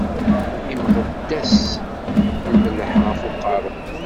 Inɣed-as lemleḥ ɣef uqeṛṛu.